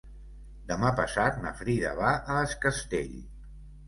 Demà passat na Frida va a Es Castell.